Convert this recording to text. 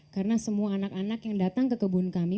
karena semua anak anak yang datang ke kebun kami